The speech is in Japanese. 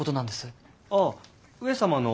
ああ上様の弟君。